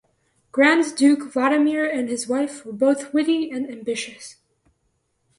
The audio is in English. Grand Duke Vladimir and his wife were both witty and ambitious.